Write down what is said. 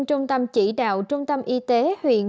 trung tâm chỉ đạo trung tâm y tế huyện